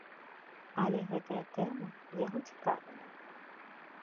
Але гэтая тэма яго цікавіла.